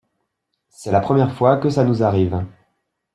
C’est la première fois que ça nous arrive...